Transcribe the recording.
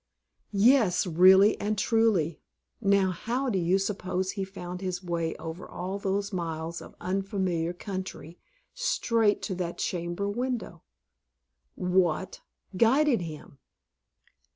Yes, really and truly. Now, how do you suppose he found his way over all those miles of unfamiliar country, straight to that chamber window? What guided him?